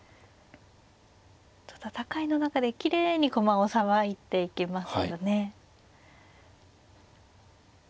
戦いの中できれいに駒をさばいていきますよね。